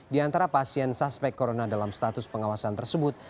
di antara pasien suspek corona dalam status pengawasan tersebut